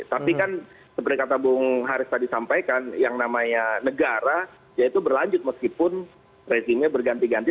tapi kan seperti kata bung haris tadi sampaikan yang namanya negara ya itu berlanjut meskipun rezimnya berganti ganti